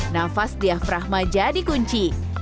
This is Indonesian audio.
nafas diafragma jadi kunci